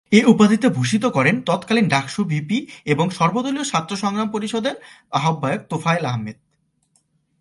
এ উপাধিতে ভূষিত করেন তৎকালীন ডাকসু ভিপি এবং সর্বদলীয় ছাত্র সংগ্রাম পরিষদের আহ্বায়ক তোফায়েল আহমেদ।